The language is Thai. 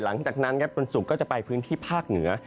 หลังจากนั้นครับวันศุกร์ก็จะไปพื้นที่ภาคเหนือ